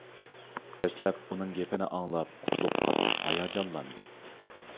دەسلەپ ئۇنىڭ گېپىنى ئاڭلاپ قۇتلۇق قاتتىق ھاياجانلاندى.